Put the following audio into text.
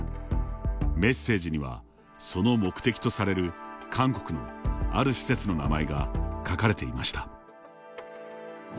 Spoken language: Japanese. メッセージにはその目的とされる韓国のある施設の名前が書かれていました。